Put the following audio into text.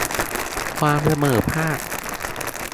ความเสมอภาค